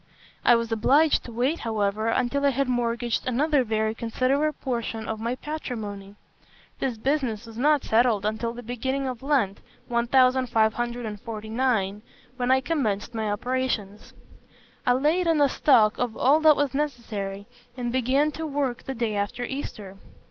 I was obliged to wait, however, until I had mortgaged another very considerable portion of my patrimony. This business was not settled until the beginning of Lent, 1549, when I commenced my operations. I laid in a stock of all that was necessary, and began to work the day after Easter.